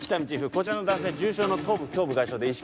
こちらの男性重傷の頭部胸部外傷で意識